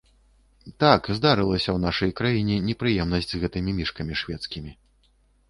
Так, здарылася ў нашай краіне непрыемнасць з гэтымі мішкамі шведскімі.